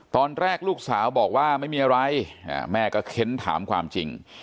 ตอนแรกลูกสาวบอกว่าไม่มีอะไรแม่ก็เค้นถามความจริง